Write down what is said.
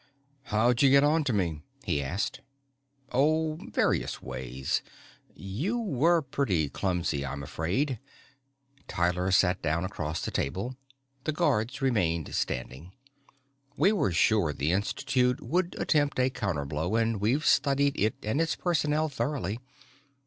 "How'd you get onto me?" he asked. "Oh, various ways. You were pretty clumsy, I'm afraid." Tyler sat down across the table. The guards remained standing. "We were sure the Institute would attempt a counterblow and we've studied it and its personnel thoroughly.